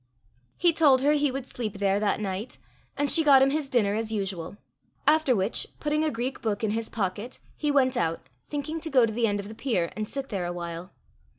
He told her he would sleep there that night, and she got him his dinner as usual; after which, putting a Greek book in his pocket, he went out, thinking to go to the end of the pier and sit there a while.